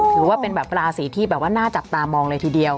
ถือว่าเป็นราศีที่หน้าจับตามองเลยทีเดียว